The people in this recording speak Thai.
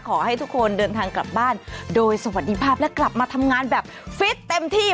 ขอให้ทุกคนเดินทางกลับบ้านโดยสวัสดีภาพและกลับมาทำงานแบบฟิตเต็มที่